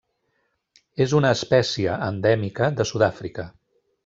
És una espècia endèmica de Sud-àfrica.